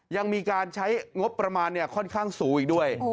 ยังมีการใช้งบประมาณค่อนข้างสูงอีกด้วย